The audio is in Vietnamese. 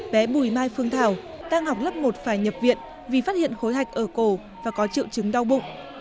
bé bùi mai phương thảo đang học lớp một phải nhập viện vì phát hiện khối hạch ở cổ và có triệu chứng đau bụng